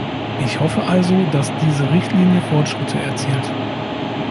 Ich hoffe also, dass diese Richtlinie Fortschritte erzielt.